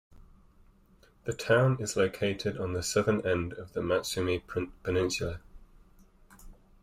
The town is located on the southern end of the Matsumae Peninsula.